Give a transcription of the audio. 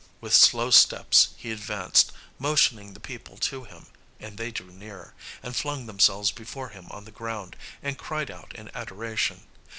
With slow steps he advanced, motioning the people to him; and they drew near, and flung themselves before him on the ground, and cried out in adoration.